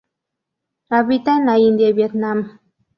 Habita en la India y Vietnam.